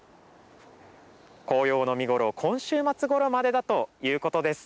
紅葉の見頃、今週末ごろまでだということです。